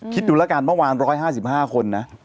คิดดูแล้วกันเมื่อวาน๑๕๕คนนะ